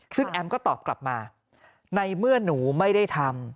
ซึ่งแอมก็ตอบกลับมาในเมื่อหนูไม่ได้ทำ